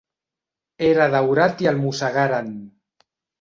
Era daurat i el mossegaren.